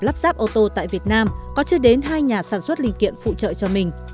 lắp ráp ô tô tại việt nam có chưa đến hai nhà sản xuất linh kiện phụ trợ cho mình